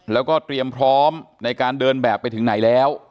แล้วก็เตรียมพร้อมในการเดินแบบไปถึงไหนแล้ว